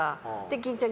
欽ちゃん